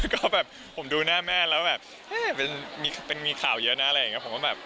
ก็แบบผมดูหน้าแม่แล้วแบบมีข่าวเยอะนะอะไรอย่างนี้ผมก็แบบ